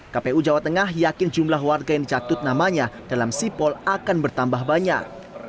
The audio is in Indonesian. kpu jawa tengah yakin jumlah warga yang dicatut namanya dalam sipol akan bertambah banyak